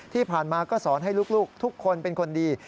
ที่ผ่านมาก็สอนให้ลูกทุกคนเป็นคนดี